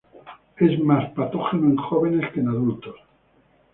Es más patógeno en jóvenes que en adultos.